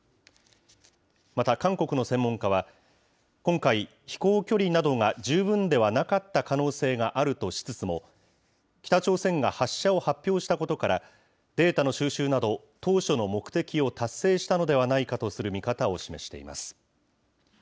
また韓国の専門家は、今回、飛行距離などが十分ではなかった可能性があるとしつつも、北朝鮮が発射を発表したことから、データの収集など、当初の目的を達成したのではないかとする見方を示しています。